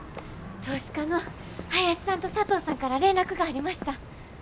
投資家の林さんと佐藤さんから連絡がありました。